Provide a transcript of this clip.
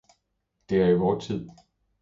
Det er i vor tid.